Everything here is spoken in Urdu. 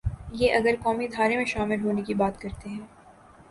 یہ اگر قومی دھارے میں شامل ہونے کی بات کرتے ہیں۔